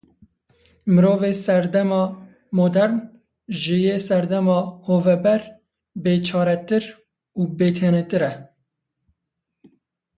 Mirovê serdema modern, ji yê serdema hoveber bêçaretir û bitenêtir e.